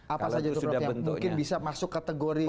apa saja itu prof yang mungkin bisa masuk kategori